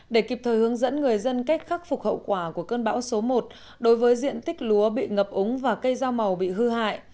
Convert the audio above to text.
để kịp thời hướng dẫn người dân cách khắc phục hậu quả của cơn bão số một đối với diện tích lúa bị ngập ống và cây rau màu bị hư hại